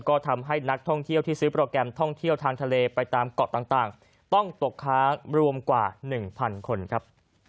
ก็ทำให้นักท่องเที่ยวที่ซื้อโปรแกรมท่องเที่ยวทางทะเลไปตามเกาะต่างต้องตกค้างรวมกว่า๑๐๐คนครับ